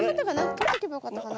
とっとけばよかったかな。